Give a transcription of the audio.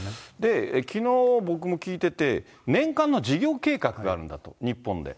きのう僕も聞いてて、年間の事業計画があるんだと、日本で。